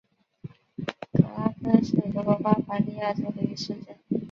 格拉芬是德国巴伐利亚州的一个市镇。